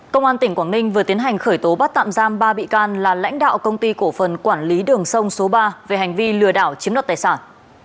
công an tỉnh quảng ninh vừa tiến hành khởi tố bắt tạm giam ba bị can là lãnh đạo công ty cổ phần quản lý đường sông số ba về hành vi lừa đảo chiếm đoạt tài sản